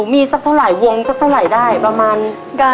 มีสักเท่าไหร่วงสักเท่าไหร่ได้ประมาณ